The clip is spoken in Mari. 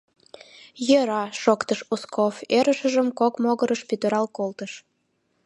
— Йӧра, — шоктыш Узков, ӧрышыжым кок могырыш пӱтырал колтыш.